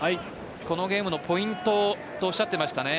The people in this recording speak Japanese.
このゲームのポイントとおっしゃっていましたね。